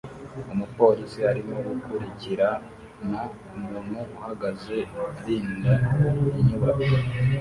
Umupolisi arimo gukurikirana umuntu uhagaze arinda inyubako